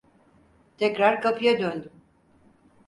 Tekrar kapıya döndüm.